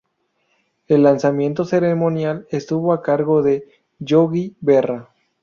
El lanzamiento ceremonial estuvo a cargo de Yogi Berra.